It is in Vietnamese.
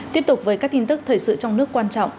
tiếp tục với các tin tức thời sự trong nước quan trọng